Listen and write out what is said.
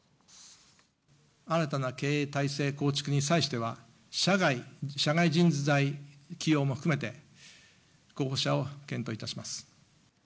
新たな経営体制構築に対しては、社外人材起用も含めて、候補者を検討いたします。